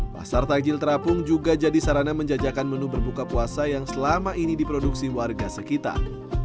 pasar takjil terapung juga jadi sarana menjajakan menu berbuka puasa yang selama ini diproduksi warga sekitar